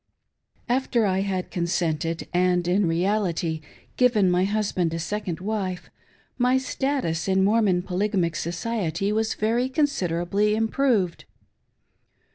AFTER I had consented, and m reality nad given my husband a second wife, my status in Mormon polygamic society was very considerably improved.